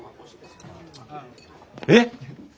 えっ！？